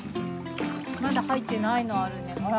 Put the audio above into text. まだはいってないのあるねほら。